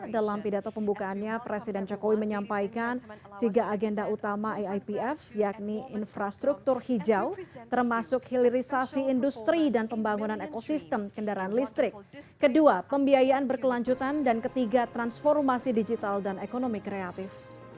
dalam pidato pembukaannya presiden jokowi menyampaikan tiga agenda utama aipf yakni infrastruktur hijau termasuk hilirisasi industri dan pembangunan ekosistem kendaraan listrik kedua pembiayaan berkelanjutan dan ketiga transformasi digital dan ekonomi kreatif